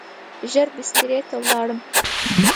ژر بسترې ته ولاړم.